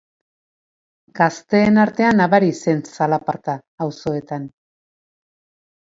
Gazteen artean nabari zen zalaparta, auzoetan...